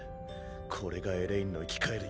これがエレインの生き返る